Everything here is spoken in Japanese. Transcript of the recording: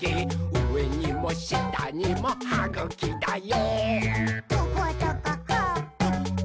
うえにもしたにもはぐきだよ！」